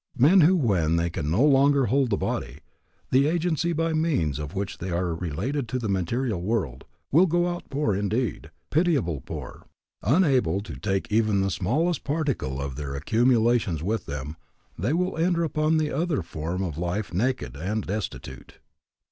Men who when they can no longer hold the body, the agency by means of which they are related to the material world, will go out poor indeed, pitiably poor. Unable to take even the smallest particle of their accumulations with them, they will enter upon the other form of life naked and destitute.